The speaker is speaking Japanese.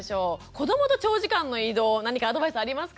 子どもと長時間の移動何かアドバイスありますか？